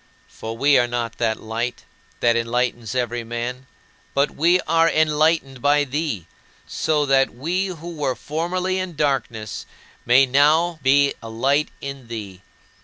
For we are not that Light that enlightens every man, but we are enlightened by thee, so that we who were formerly in darkness may now be alight in thee.